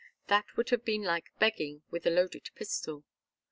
That would have been like begging with a loaded pistol.